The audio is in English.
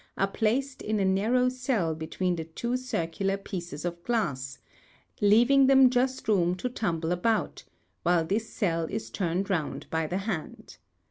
are placed in a narrow cell between two circular pieces of glass, leaving them just room to tumble about, while this cell is turned round by the hand.